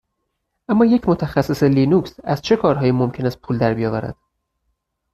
اما یک متخصص لینوکس از چه کارهایی ممکن است پول در بیاورد؟